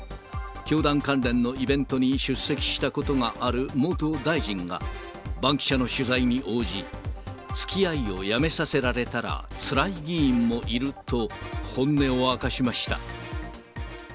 教団関連のイベントに出席したことがある元大臣が、バンキシャの取材に応じ、つきあいをやめさせられたら、つらい議員もいると、本音を明かしました。